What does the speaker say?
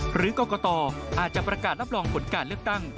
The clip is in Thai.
หรือกรกตอาจจะประกาศรับรองผลการเลือกตั้ง